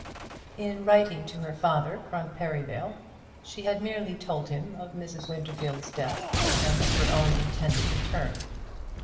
In writing to her father from Perivale, she had merely told him of Mrs. Winterfield's death and of her own intended return.